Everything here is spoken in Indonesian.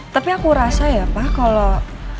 tapi aku rasa ya pak kalau